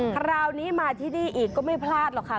คราวนี้มาที่นี่อีกก็ไม่พลาดหรอกค่ะ